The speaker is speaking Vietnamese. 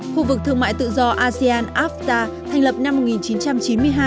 khu vực thương mại tự do asean afta thành lập năm một nghìn chín trăm chín mươi hai